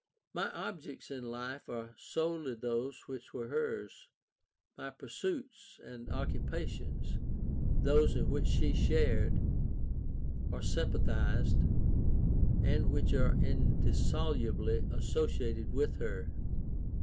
My objects in life are solely those which were hers; my pursuits and occupations those in which she shared, or sympathized, and which are indissolubly associated with her.